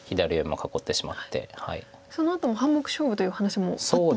そのあとも半目勝負という話もあったんですが。